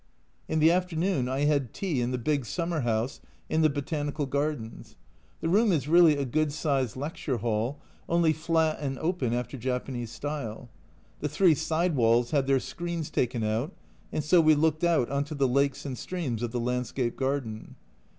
In the afternoon I had tea in the big summer house in the Botanical Gardens. The room is really a good sized lecture hall, only flat and open after Japanese style ; the three side walls had their screens taken out, and so we looked on to the lakes and streams of the landscape garden.